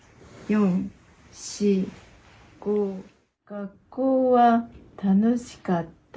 学校は楽しかった？